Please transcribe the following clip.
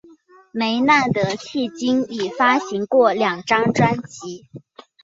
梅纳德迄今已发行过两张专辑。